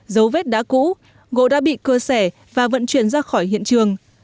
dấu vết đã cũ gỗ đã bị cưa sẻ và vận chuyển ra khỏi hiện trường